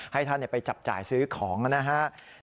ให้ท่านไปจับจ่ายซื้อของนะครับ